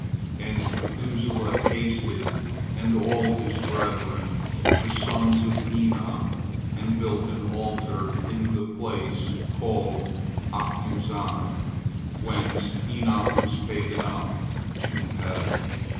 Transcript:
And Methuselah hasted and all his brethren, the sons of Enoch, and built an altar in the place called Achuzan, whence Enoch was taken up to heaven.